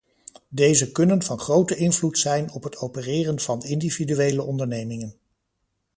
Deze kunnen van grote invloed zijn op het opereren van individuele ondernemingen.